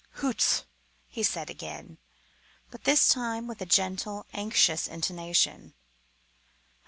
"Hoots!" he said again, but this time with a gentle, anxious intonation.